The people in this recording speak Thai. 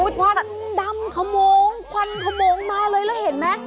ดำดำขมงควันขมงมาเลยเราเห็นไหม